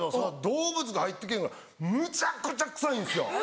動物が入って来ぇへんぐらいむちゃくちゃ臭いんですよ。